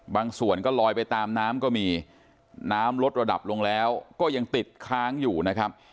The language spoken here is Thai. บางส่วนก็ลอยไปตามน้ำก็มีน้ำลดระดับลงแล้วก็ยังติดค้างอยู่นะครับ